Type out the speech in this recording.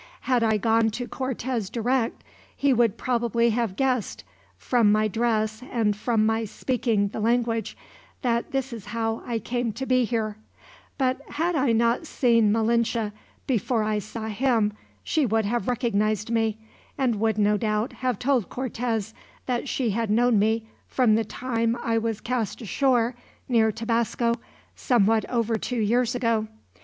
Had I gone to Cortez direct, he would probably have guessed, from my dress and from my speaking the language, that this was how I came to be here; but had I not seen Malinche before I saw him, she would have recognized me, and would no doubt have told Cortez that she had known me from the time I was cast ashore, near Tabasco, somewhat over two years ago.